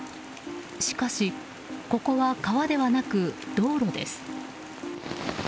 しかし、ここは川ではなく道路です。